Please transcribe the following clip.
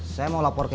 saya mau pergi